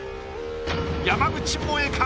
山口もえか？